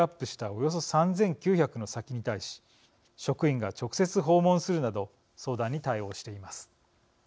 およそ３，９００の先に対し職員が直接訪問するなど相談に対応しています。